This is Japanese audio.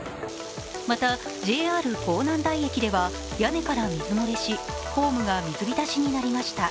また、ＪＲ港南台駅では屋根から水漏れしホームが水浸しになりました。